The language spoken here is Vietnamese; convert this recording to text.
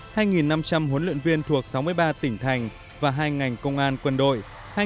hai năm trăm linh huấn luyện viên thuộc sáu mươi ba tỉnh thành và hai ngành công an quân đội